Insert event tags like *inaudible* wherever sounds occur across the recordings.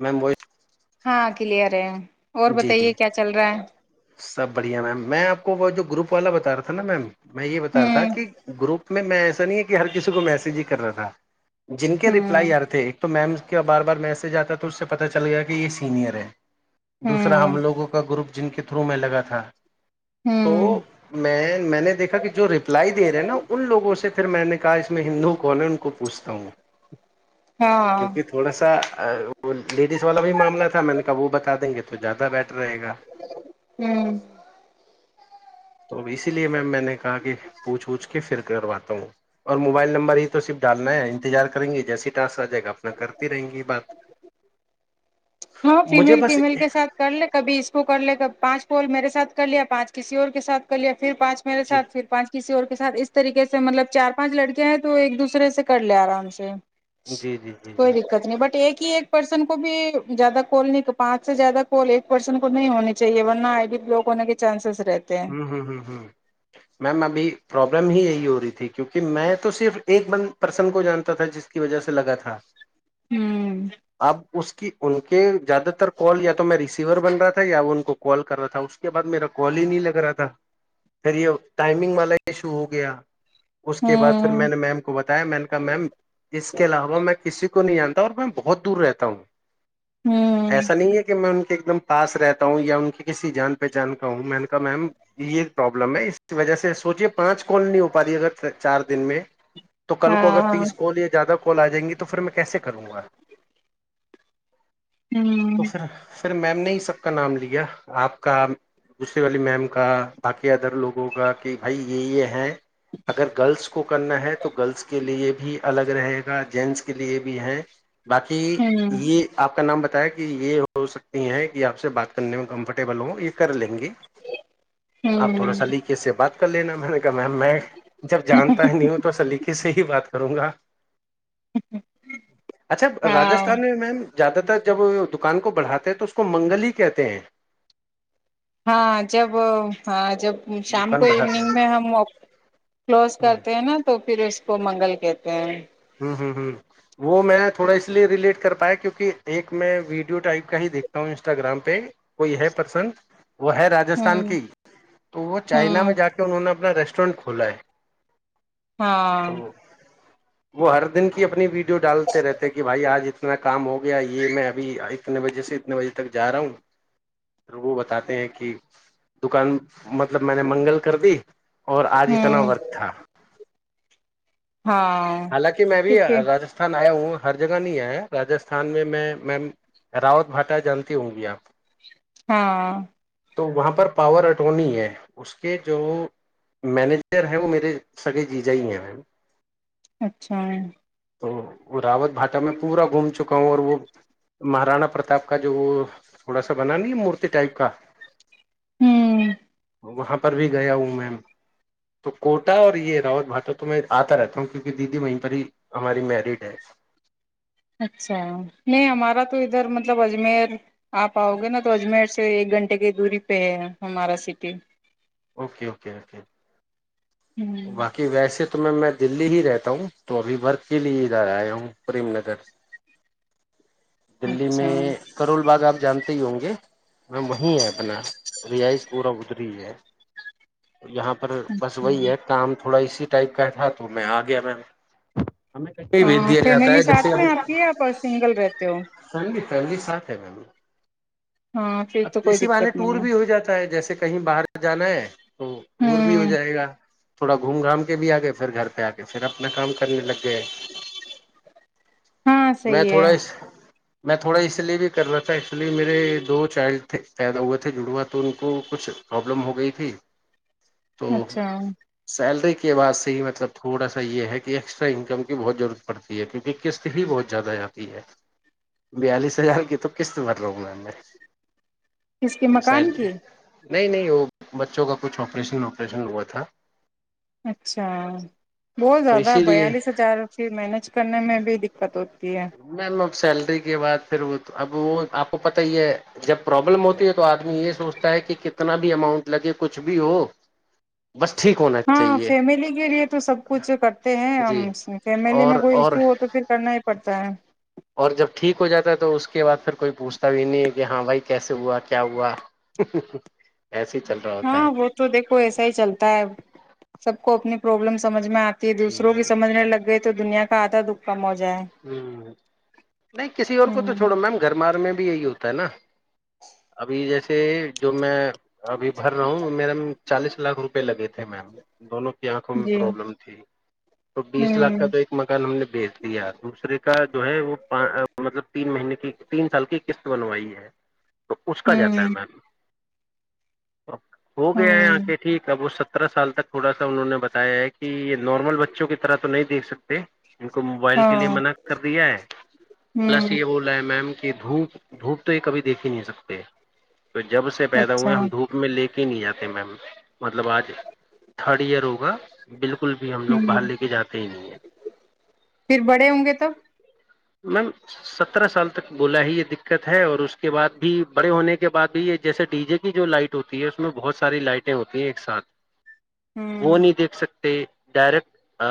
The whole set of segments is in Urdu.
میم وہ ہاں کلیر ہے اور جی جی بتائیے کیا چل رہا ہے سب بڑھیا میم میں آپ کو وہ جو گروپ والا بتا رہا تھا نا میم میں یہ بتا رہ تھا ہ کہ گروپ میں میں ایسا نہیں ہر کسی کو میسج ہی کر رہا تھا جن کے ہ ریپلائی یار تھے ایک تو میم کیا بار بار میسج آتا ہے تو اس سے پتا چل گیا کہ یہ سینئر ہے ہ دوسرا ہم لوگوں کا گروپ جن کے پتھرو میں لگا تھا تو ہ میں میں نے دیکھا کہ جو ریپلائی دے رہے ہیں نا ان لوگوں سے پھر میں نے کہا اس میں ہندو کون ہے ان کو اسم ہاں کیونکہ تھوڑا سا لیڈیز والا بھی معاملہ تھا میں نے کہا وہ بتا دیں گے تو زیادہ بیٹر رہے گا ہوں تو اسی لیے میم میں نے کہا کہ پوچھ اوچھ کے پھر کرواتا ہوں اور موبائل نمبر ہی تو صرف ڈالنا ہے انتظار کریں گے جیسی ٹاسک آ جائے گا اپنا کرتی رہیں گی بات *inaudible* ہاں مجھے فیمیل بس فیمیل کے سھ کر لے کبھی اس کو کر لے کب پانچ کال میرے سھ کر لیا پانچ کسی اور کے ساتھ کر لیا پھر پانچ میرے جی سات پھر پانچ کسی اور کے سھ اس اس طریقے سے مطلب چار پانچ لڑکے ہیں تو ایک دوسرے سے کر لے آرام سے جی جی جی جی کوئی دقت نہیں بٹ ایک ہی ایک پرسن کو بھی زیادہ کال نہیں پانچ سے زیادہ کال ایک پرسن کو نہیں ہونی چاہیے ورنہ آئی ڈی بلاک ہونے کے چانسز رہتے ہیں ہوں ہوں ہوں ہوں میم ابھی پروابلم ہی یہی ہو رہی تھی کیونکہ میں تو صرف ایک ب پرسن کو جانتا تھا جس کی وجہ سے لگا تھا اب ہوں اس کی ان کے زیادہ تر کال یا تو میں ریسیور بن رہا تھا یا وہ ان کو کال کر رہا تھا اس کے بعد میرا کال ہی نہیں لگا تھا ت ٹائمنگ م ای شو ہو گیا اس کے بعد پھر ہ میں نے میم کو بتایا میں نے کہا میم اس کے علاوہ میں کسی کو نہیں آتا اور میں بہت دور رہتا ہوں ہ ہ ایسا نہیں ہے کہ میں ان کو ایک دم پاس رہتا ہوں یا ان کی کسی جان پہچان کاا ہوں میں نے لم ہے اس کی وجہ سے اس سوچے پانچ کوال نہیں ہو پا رہی ہے اگر چار دن میں تو کل کو اگر ہاں تیس کوال یا زیادہ کوال آ جیں گی تو پھر میں کیسے کروں گا آج تو ہوں پھر پھر میم نے ہی سب کا نام لیا آپ کا والی میم کا باقی ادر لوگوں کا کہ بھائی یہ یہ ہیں اگر گرلس کو کرنا ہے تو گرلس کے لیے بھی ہی الگ رہے گا جینٹس کے لیے بھی ہیں باقی ہوں یہ آپ کا نام بتا ہے کہ یہ ہو سکتی ہے کہ آپ سے بات کرنے میں کمفرٹیبل ہو یہ کر لیں گے آپ تھوڑا ہوں سا ل کےے سے بات کر لینا ولیک میم میں جب جانتا ہے نی تو سلیقے سے ہی بات کروں گا اچھا ہاں راجستھان میں میم زیادہ تر جب دکان کو بڑھاتے ہیں تو اس کو منگل ہی کہتے ہیں ہاں جب ہاں جب شام دکان کو بڑھاتے ایوننگ میں ہیں ہم کلوز کرتے ہیں نا تو پھر اس کو منگل کہتے ہیں ہ ہ وہ میں تھوڑا اس لیے ریلیٹ کر پایا کیونکہ ایک میں ویڈیو ٹائپ کا ہی دیکھتا ہوں انسٹاگرام پہ کوئی ہے پرسن وہ ہے راجستھان ہوں کی تو وہ چائنا ہوں میں جا کے انہوں نے اپنا ریسٹورینٹ کھولا ہے ہاں تو وہ ہر دن کی اپنی ویڈیو ڈالتے رہتے کہ بھائی آج اتنا کام ہو گیا یہ میں ابھی اتنے بجے سے اتنے بجے تک جا رہا ہوں وہ بتاتے ہیں کہ دکان مطلب میں نے منگل کر دی اور آج اتنا ہوں ورق تھا ہاں حالانکہ میں بھی کیونکہ راستھان آیا ہوں ہر جگہ نہیں آیا راستھان میں میں میم راوت بھاٹا جانتی ہوں گی آپ ہاں تو وہاں پر پاور اٹورنی ہے اس کے جو مینیجر ہیں وہ میرے سگے جی جا ہی ہیں میم اچھا تو راوت بھاٹا میں پورا گھوم چکا ہوں اور وہ مہارانا پرتاپ کا جو وہ تھوڑا سا بنا نہیں ہے مورتی ٹائپ کا ہوں وہاں پر بھی گیا ہوں میں تو کوٹا اور یہ رات بھاٹا تو میں آتا رہتا ہوں کیونکہ دیدی وہیں پر ہی ہماری میرڈ ہے اچھا نہیں ہمارا تو ادھر مطلب اجمیر آپ آؤ گے نا تو اجمیر سے ایک گھنٹے کی دوری پہ ہے ہمارا سٹی اوکے اوکے اوکے ہ باقی ویسے تو میں میں دللی ہی رہتا ہوں تو ابھی ورک کے لیے ادھر آیا ہوں پریم نگر دلی اچھا میں کرول بازار جانتے ہی ہوں گے م وہیں ہے اپنا رائش پورا ادری ہے یہاں پر ہ بس وہی ہے تھوڑا اسی ٹائپ کا تھا تو میں آ گیا م ہاں فیملی ساتھ میں آپ کی آپ سنگل رہتے ہو فیملی فیملی ساتھ ہے میم ہاں پھر تو اب کوئی اسی باہے دقت ٹور نہیں ہے بھی ہو جاتا ہے جیسے کہیں باہر جانا ہے تو ٹور بھی ہو ہوں جائے گا تھوڑا گھوم گھام کے بھی آگے پھر گھر پہ آ کے پھر اپ نا کام کرنے لگ گیا ہے ہاں میں صحیح ہے تھوڑا اس میں تھوڑا اس لیے بھی کر رہا تھا اس لیے میرے دوست چائلڈ پیدا ہوئے تھے جڑوا تو ان کو کچھ پرابلم ہو گئی تھی تو اچھا سیلری کا کے بعد سے ہی مطلب تھوڑا سا یہ ہے کہ ایکسٹرا انکم کی بہت ضرورت پڑتی ہے کیونکہ قسط ہی بہت زیادہ جاتی ہے بیالیس ہزار کی تو قسط بھر لا ہوں میںا میں کس کے تو مکان سیلری کی نہیں نہیں وہ بچوں کا کچھ آپریشن واپریشن ہوا تھا اچھا بہت تو زیادہ اسی لیے بیالیس ہزار مینج کرنے میں بھی *unintelligible* *unintelligible* سیلری کے بعد پھر وہ اب وہ آپ کو پتا ہی ہے جب پروابلم ہوتی ہے تو آدمی یہ سوچتا ہے کہ کتنا بھی اماؤنٹ لگے کچھ بھی ہو بس ٹھیک ہونا ہاں چاہیے فیملی کے لیے تو سب کچھ کرتے ہیں ہم جی فیملی اور میں کوئی اور ایشو ہو تو پھر کرنا ہی پڑتا ہے اور جب ٹھیک ہو جاتا ہے تو اس کے بعد پھر کوئی پوچھتا بھی نہیں ہے کہ ہاں بھائی کیسے ہوا کیا ہوا ایسے ہی چل رہا ہوتا ہاں ہے وہ تو دیکھو ایسا ہی چلتا ہے سب کو اپنی پرابلم سمجھ میں آ دوسروں کی سمجھنے لگ گئے تھ تو دنیا کا آتا دکھ کا موج ہمم نہیں کسی اور کو تو چھوڑو ہ میم گھربار میں بھی یہی ہوتا ہے نا ابھی جیسے جو میں ابھی بھر رہا ہوں میرا چالیس لاکھ روپئے لگے تھے تھے میم دونوں کی آنکھوں میں جی پرابلم تھی تو بیس لاکھ کا ہوں تو ایک مکان ہم نے بیچ دیا کا جو ہے وہ مطلب تین مہینے کی تین سال کی قسط بنوائی ہے تو اس کا جاتا ہے ہوں میم ہو گیا ہے یہاں ہوں کے ٹھیک ہے وہ سب سترہ سال تک تھوڑا سا انہوں نے بتایا ہے کہ نارمل بچوں کی طرح تو نہی سںیکھ سکتے ان لیے ہاں منع کر دیا ہے پلس ہوں یہ بول رہا ہے میم کہ دھوپ دھوپ تو یہ کبھی دیکھ ہی نہیں سکتے تو جب سے پیدا ہوئے اچھا ہم دھوپ میں لے کے نہیں جاتے میم مطلب آج تھرڈ ایئر ہوگا بالکل بالکل بھی ہم لوگ ہوں باہر لے کے جاتے ہی نہیں ہے تو میم سترہ سال تک بولا ہی یہ دقت ہے اور اس کے بعد بھی بڑے ہونے کے بعد بھی یہ جیسے ڈی جے کی جو لائٹ ہوتی ہے اس میں بہت ساری لائٹیں ہوتی ہیں ایک ساتھ وہ ہوں نہیں دیکھ سکتے ڈائریکٹ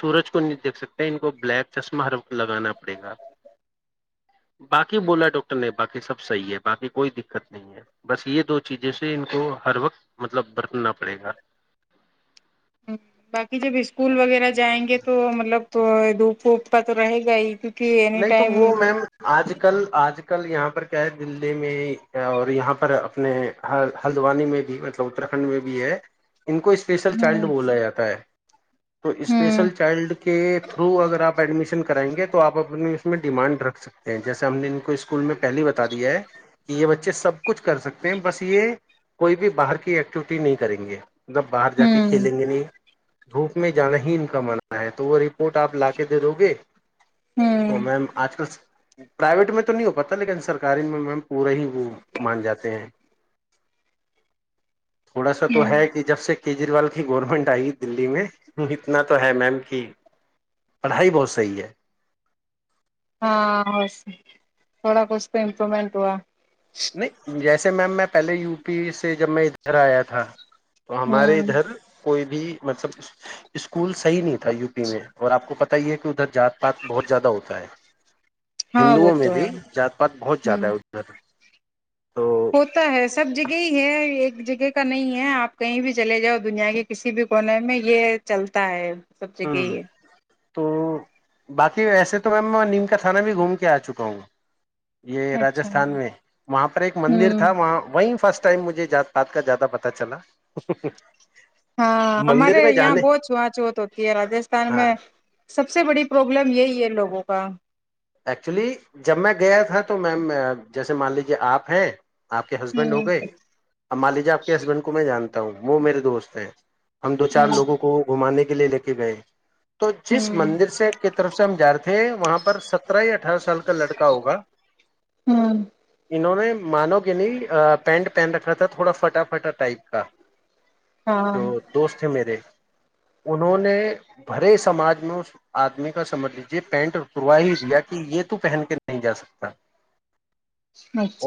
سورج کو دیکھ سکتے ہیں ان کو بلیک چشمہ ہر وقت لگانا پڑے گا باقی بولا ڈاکٹر نے باقی سب صحیح ہے باقی کوئی دقت نہیں ہے بس یہ دو چیزوں سے ان کو ہر وقت مطلب برتنا پڑے گا باقی جب اسکول وغیرہ جائیں گے تو مطلب تو دپوپ پ تو رہے گا ہی کیونکہ اینی نہیں تو ٹائم وہ میم آج کل آج کل یہاں پر کیا ہے دلی میں اور یہاں پر اپنے ہلدوانی میں بھی مطلب اتر کنڈ میں بھی ہے ان کو اسپیشل چائلڈ ہوں بولا جاتا ہے تو ہوں اسپیشل چائلڈ کے تھرو اگر آپ ایڈمیشن کرائیں گے تو آپ اب اس میں ڈیمانڈ رکھ سکتے ہیں جیسے ہم نے ان کو اسکول میں پہل بتا دیا ہے کہ یہ بچے سب کچھ کر سکتے ہیں بس یہ کوئی بھی باہر کی ایکٹیوٹی نہیں کریں گے مطلب باہر جا کے ہوں کھیلیں گے نہیں دھوپ میں جانا ہی ان کا ماننا ہے تو وہ کوورٹ آپ لا کے دے دو گے تو ہوں میم آج کل پرائیویٹ میں تو نہیں ہو پاتا لیکن سرکاری میں میم پورا ہی وہ مان جاتے ہیں تھوڑا سا تو ہوں ہے کہ جب سے کیجریوال کی گورنمنٹ آئی دللی میں اتنا تو ہے میم کہ پڑھائی بہت صحیح ہے ہاں بس تھوڑا کھ تو امپرومنٹ ہوا نہیں جس اس میم میں پہلے یو پی سے جب میں ادھر آیا تھا تو ہمارے ہوں ادھر کوئی بھی مطلب اسکولول صح نہیں تھا یو پی میں اور آ کو پتا ت یہ ہے کہ ادھر جات پات بہت زیادہ ہوتا ہے ہاں وہ ہندوؤں میں تو بھی ہے جات پات بہت زیادہ ہوں ہے ادھر تو ہوتا ہے سب جگہ ہی ہے ایک ایک جگہ کا نہیں ہے آپ کہیں بھی چلے جاؤ دنیا کے کسی بھی کونے میں یہ چلتا ہے سب جگہ ہاں ہی تو باقی ویسے تو میم نیم کا تھانہ بھی گھوم کے آ چکا ہوں گا یہ ہے اچھا راستھان میں وہاں پر ایک مندر ہوں تھا وہاں وہیں فسٹ ٹائم مجھے جات پات کا زیادہ پتا چلا ہاں ہمار مندر میں یااں جانے بہچ وچو تو یہ راستھان ہاں میں سب سے بڑی پروابلم یہی ہے لوگ کا ایکچولی جب میں گیا تھا تو میم جیسے مان لیجیے آپ ہیں آپ کے ہسبینڈ ہو ہوں گئے اب ما لیجا آپ کے ہسبینڈ کو میں جانتا ہوں وہ میرے دوست ہیں ہم دو چار ہوں لوگوں کو گھمانے کے لیے لے کہ گئے تو جس ہوں مندر سے کتنے طرف سے ہم جار ہیں وہاں پر س اٹھارہ سال کا لڑکا ہوگا ہوں انہوں ان نے مانو کہ نہیں پینٹ پہن رکھا تھا تھوڑا فٹا فٹا ٹائپ کا ہاں جو دوست ہیں میرے انہوں نے بھرے سماج میں اس آدمی کا سمجھ لیجیے پینٹ سرو ہی دیا یہ تو پہن کے نہیں جا سکتا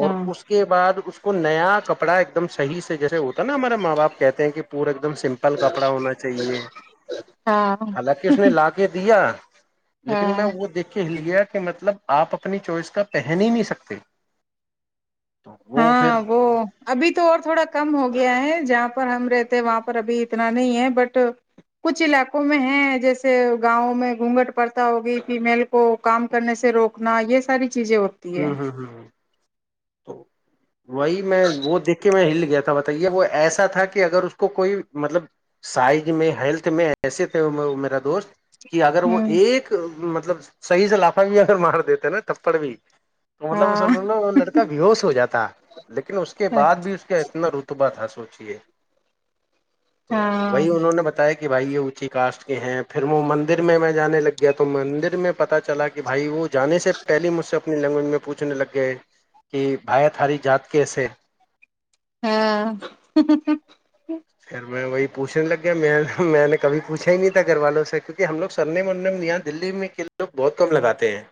اور اس کے بعد اس کو نیا کپڑا ایک دم صحی سے جیسے ہوتا نا ہمارا ماں باپ کہتے ہیں کہ پورک ایک دم سمپل کپڑا ہونا چاہیے ہاں حالکہ اس نے لا کے دیا ج لیکن میں ہاں وہ دیکھ کے ہل گیا کہ مطلب آپ اپنی چوائئس کو کا پہن ہی نہیں سکتے تو وہ ہاں پھر وہ ابھی تو اور تھوڑا کم ہوگیا گیا ہے جہاں پر ہم رہتے ہیں وہاں پر ابھی اتنا نہیں ہے بٹ کچھ علاقوں میں ہے جیسے گاؤں میں گونگھٹ پرتا ہوگی فیمیل کو کام کرنے سے روکنا یہ ساری چیزیں ہوتی ہے ہوں ہوں ہ تو وہی میں وہ دیکھ کے میں ہل گیا تھا بتائیے وہ ایسا تھا کہ اگر اس کو کوئی مطلب سائز میں ہیلتھ میں ایسے تھے میرا دوست کہ اگر وہ ہوں ایک مب مطلب صحیح سے لافہ بھی اگر مار دیتے ہیں نا تھپڑ بھی ہاں مطلب وہ لڑکا ب ہووش ہو جاتا لیکن اس کے بعد بھی اس کا اتنا رتبا تھا سوچ ل تو ہاں وہی انہوں نے بتایا کہ بھائی یہ اونچی کاسٹ کے ہیں پھر وہ مندر میں میں جان لگ گیا تو مندر میں پتا چلا کہ بھائی وہ جانے سے پہلی مجھ سے اپنی لینگویج میں پوچھنے لگ گئے کہ بھائیت ہاری جات کیسے ہاں پھر میں وہی پوچنے لگے میں میں نے کبھی پوچا ہی نہیں تھا گھر والوں سے کیونکہ ہم لوگ سرنےم ارنےم یہاں دلی میں کے لوگ بہت کم لگاتے ہیں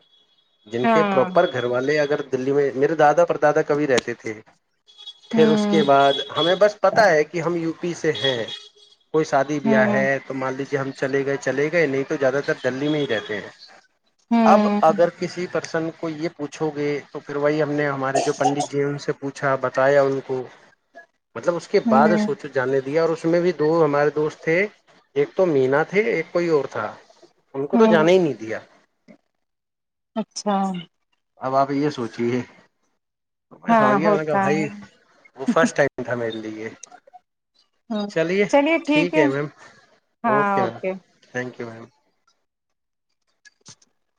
جن کے ہاں پراپر گھر والے اگر دلی میں میرے دادا پر دادا کبھی رہتے تھے پھر اس کے ہوں بعد ہمیں بس پتا ہے کہ ہم یو پی سے ہے کوئی سادی بیاہ ہوں ہے تو مان لیجے ہم چلے گئے چلے گئے نہیں تو زیادہ تر جلدی میں ہی رہتے ہیں اب ہوں اگر کسی پرسن کو کو یہ پوچھو گے تو پھر وہی ہم نے ہمارے جو پنڈت جی ہیں ان سے پوچھا بتایا ان کو مطلب اس کے بعد ہوں سوچو جاننے دیا اور اس میں بھی دو ہمارے دوست تھے ایک تو مینا تھے ایک کوئی اور تھا ان کو تو ہوں جانا ہی نہیں دیا اچھا اب آپ یہ سوچ رہی ہے میں سمجھ ہاں گیا نے کہ ہوتا ہے بھائی وہ فرسٹ ٹائم تھا میرے لیے ہ چلیے ٹھیک ہے ہاں اوکے بم *inaudible* *unintelligible*